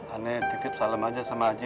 aneh titip salem aja sama haji